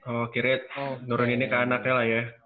oh kira kira nuruninnya ke anaknya lah ya